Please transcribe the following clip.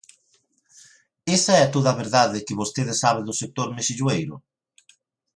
¿Esa é toda a verdade que vostede sabe do sector mexilloeiro?